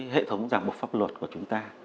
hệ thống giảm bộ pháp luật của chúng ta